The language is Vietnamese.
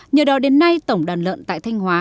nhờ đó đến nay tổng đàn lợn tại thanh hóa